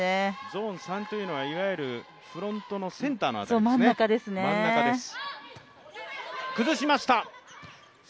ゾーン３というのは、フロントのセンター、真ん中ですね。